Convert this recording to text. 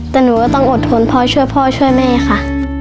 แต่หนูก็ต้องอดทนพ่อช่วยพ่อช่วยแม่ค่ะ